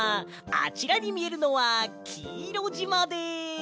あちらにみえるのはきいろじまです！